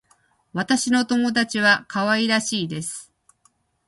私の友達は可愛らしいです。